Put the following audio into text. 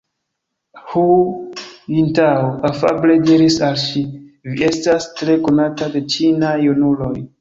Hu Jintao afable diris al ŝi: Vi estas tre konata de ĉinaj junuloj.